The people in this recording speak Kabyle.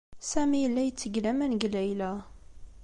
Sami yella yetteg laman deg Layla.